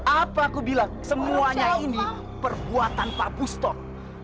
apa aku bilang semuanya ini perbuatan pak bustok